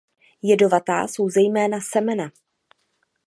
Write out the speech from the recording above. Jedovatá jsou zejména semena.